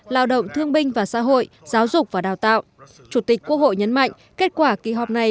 lao động thương binh và xã hội giáo dục và đào tạo chủ tịch quốc hội nhấn mạnh kết quả kỳ họp này